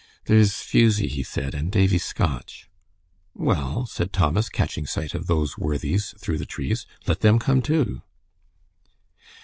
"There's Fusie," he said, "and Davie Scotch." "Well," said Thomas, catching sight of those worthies through the trees, "let them come, too."